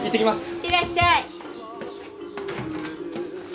いってらっしゃい。